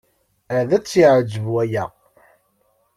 Ad tt-yeɛjeb waya.